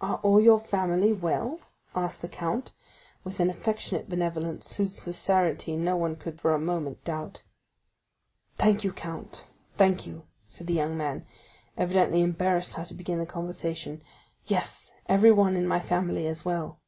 "Are all your family well?" asked the count, with an affectionate benevolence, whose sincerity no one could for a moment doubt. "Thank you, count—thank you," said the young man, evidently embarrassed how to begin the conversation; "yes, everyone in my family is well."